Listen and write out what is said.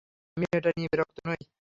আমি এটা নিয়ে বিরক্ত নই।